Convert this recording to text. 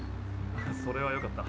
それはよかった。